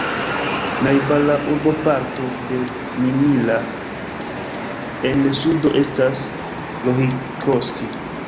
Najbara urboparto de Mannila en sudo estas Lohikoski.